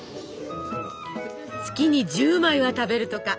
月に１０枚は食べるとか。